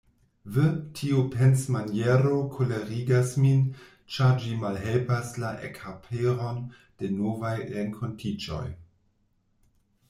Ve, tiu pensmaniero kolerigas min, ĉar ĝi malhelpas la ekaperon de novaj renkontiĝoj.